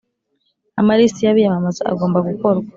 Amarisiti y abiyamamaza agomba gukorwa